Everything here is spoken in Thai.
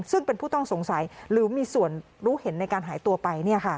ซึ่งเป็นผู้ต้องสงสัยหรือมีส่วนรู้เห็นในการหายตัวไป